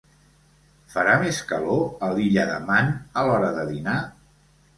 Farà més calor a l'illa de Man a l'hora de dinar?